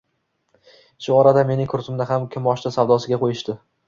Shu orada mening kursimni ham kimoshdi savdosiga qo`yishdi